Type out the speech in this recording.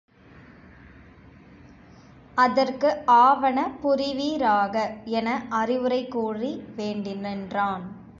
அதற்கு ஆவன புரிவீராக! என அறவுரை கூறி வேண்டி நின்றான்.